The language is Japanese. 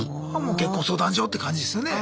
結婚相談所って感じですよね。